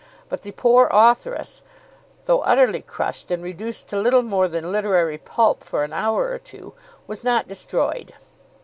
But the poor authoress, though utterly crushed, and reduced to little more than literary pulp for an hour or two, was not destroyed.